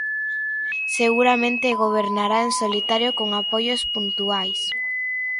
Seguramente gobernará en solitario con apoios puntuais.